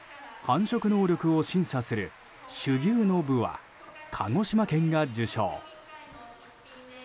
繁殖能力を審査する種牛の部は鹿児島県が受賞。